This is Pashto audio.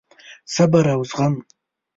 صبر او زغم: